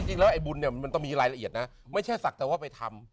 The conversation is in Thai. จริงแล้วไอ้บุญเนี่ยมันต้องมีรายละเอียดนะไม่ใช่ศักดิ์โธวะไปทำ